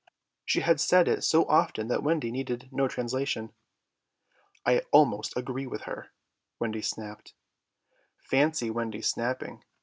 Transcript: She had said it so often that Wendy needed no translation. "I almost agree with her," Wendy snapped. Fancy Wendy snapping!